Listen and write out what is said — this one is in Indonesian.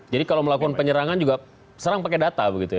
jadi kalau melakukan penyerangan juga serang pakai data begitu ya